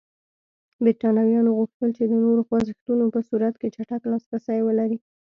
برېټانویانو غوښتل چې د نورو خوځښتونو په صورت کې چټک لاسرسی ولري.